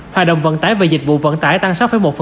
hòa đồng vận tải và dịch vụ vận tải tăng sáu một